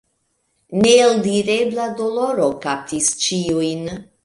Neeldirebla doloro kaptis ĉiujn.